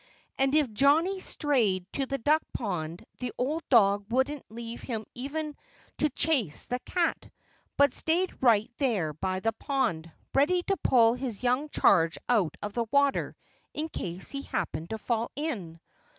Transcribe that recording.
And if Johnnie strayed to the duck pond the old dog wouldn't leave him even to chase the cat, but stayed right there by the pond, ready to pull his young charge out of the water in case he happened to fall in.